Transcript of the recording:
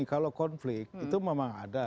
kalau konflik itu memang ada